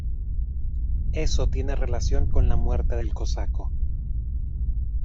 Eso tiene relación con la muerte del cosaco.